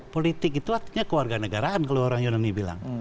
politik itu artinya keluarga negaraan kalau orang yunani bilang